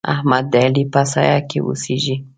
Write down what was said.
احمد د علي په سايه کې اوسېږي.